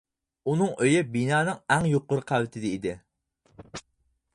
ئۇنىڭ ئۆيى بىنانىڭ ئەڭ يۇقىرى قەۋىتىدە ئىدى.